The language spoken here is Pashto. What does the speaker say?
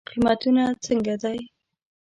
قیمتونه څنګه دی؟